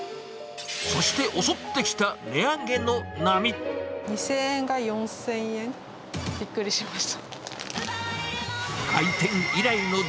そして、２０００円が４０００円、びっくりしました。